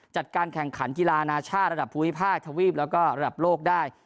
จัดการแข่งขันกีฬานาชาติระดับภูมิภาคทวีปแล้วก็ระดับโลกได้